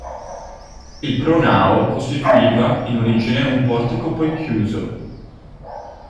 Il pronao costituiva, in origine un portico poi chiuso.